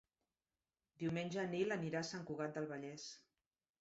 Diumenge en Nil anirà a Sant Cugat del Vallès.